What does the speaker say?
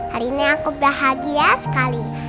hari ini aku bahagia sekali